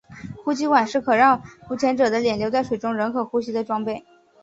呼吸管是可让浮潜者的脸留在水中仍可呼吸的装备。